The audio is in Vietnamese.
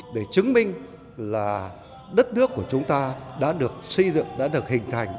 để chứng minh là đất nước của chúng ta đã được xây dựng đã được hình thành